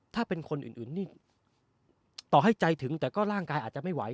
ถ้าเป็นคนอื่นนี่ต่อให้ใจถึงแต่ก็ร่างกายอาจจะไม่ไหว